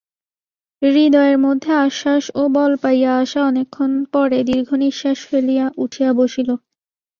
হৃদয়ের মধ্যে আশ্বাস ও বল পাইয়া আশা অনেকক্ষণ পরে দীর্ঘনিশ্বাস ফেলিয়া উঠিয়া বসিল।